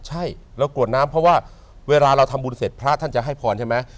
ใช่เรากรวดน้ำเพราะว่าเวลาเราทำบุญเสร็จพระท่านจะให้พรใช่ไหม